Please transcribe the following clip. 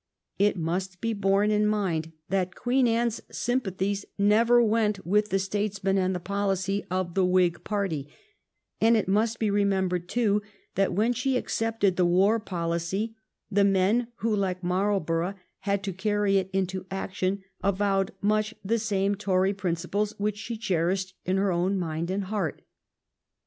It must be borne in mind that Queen Anne's sympathies never went with the statesmen and the policy of the Whig party, and it must be remembered, too, that when she accepted the war policy, the men who, like Marl borough, had to carry it into action avowed much the same Tory principles which she cherished in her own mind and heart.